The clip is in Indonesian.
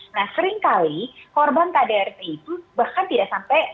nah seringkali korban kdrt itu bahkan tidak sampai